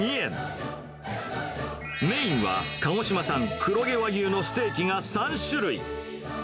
メインは鹿児島産黒毛和牛のステーキが３種類。